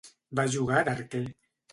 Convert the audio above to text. Va jugar d'arquer.